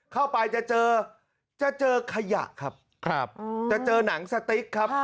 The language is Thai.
เข้าไปจะเจอจะเจอขยะครับครับอืมจะเจอหนังสติกครับค่ะ